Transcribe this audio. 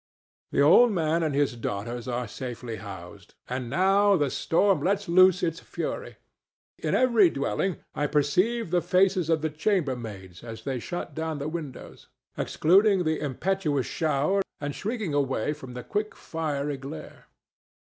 The old man and his daughters are safely housed, and now the storm lets loose its fury. In every dwelling I perceive the faces of the chambermaids as they shut down the windows, excluding the impetuous shower and shrinking away from the quick fiery glare.